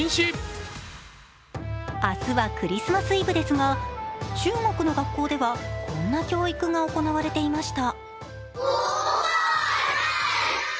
明日はクリスマスイブですが中国の学校ではこんな教育が行われていました。